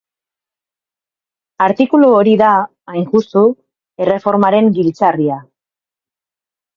Artikulu hori da, hain justu, erreformaren giltzarria.